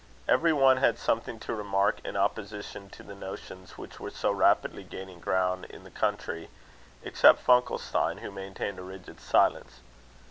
Every one had something to remark in opposition to the notions which were so rapidly gaining ground in the country, except Funkelstein, who maintained a rigid silence.